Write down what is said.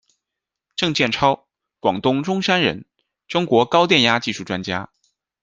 郑健超，广东中山人，中国高电压技术专家。